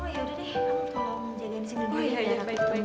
tolong jagain sini dulu ya biar aku nunggu sama ayah